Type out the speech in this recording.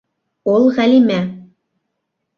Ул Ғәлимә.